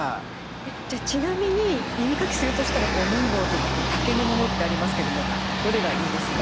じゃちなみに耳かきするとしたら綿棒とか竹のものってありますけどもどれがいいですか？